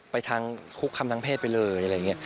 ไปทางคุกคำทั้งเพศไปเลย